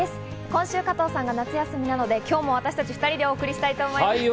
今週、加藤さんが夏休みなので今日も私たち２人でお送りしたいと思います。